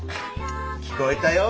聞こえたよ